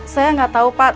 saya gatau pak tau